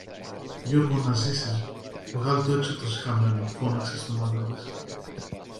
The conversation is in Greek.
Γιώργο, να ζήσεις, βγάλ' το έξω το σιχαμένο! φώναξε στον άντρα της